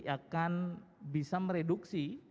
akan bisa mereduksi